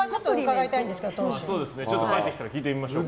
ちょっと帰ってきたら聞いてみましょう。